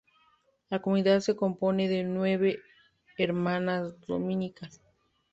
La comunidad se compone de nueve hermanas dominicas.